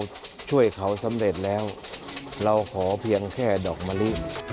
ช่วยเขาสำเร็จแล้วเราขอเพียงแค่ดอกมะลิ